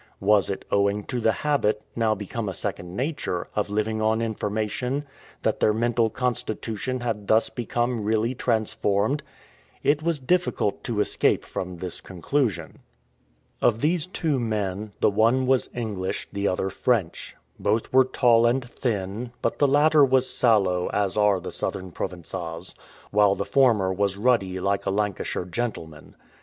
Was it owing to the habit, now become a second nature, of living on information, that their mental constitution had thus become really transformed? It was difficult to escape from this conclusion. Of these two men, the one was English, the other French; both were tall and thin, but the latter was sallow as are the southern Provençals, while the former was ruddy like a Lancashire gentleman.